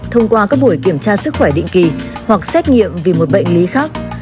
thông qua các buổi kiểm tra sức khỏe định kỳ hoặc xét nghiệm vì một bệnh lý khác